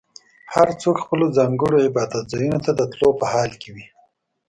هر څوک خپلو ځانګړو عبادت ځایونو ته د تلو په حال کې وي.